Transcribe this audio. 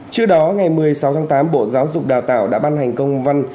trước đó ngày một mươi sáu tháng tám bộ giáo dục đào tạo đã ban hành công văn